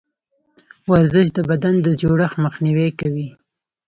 ورزش د بدن د زړښت مخنیوی کوي.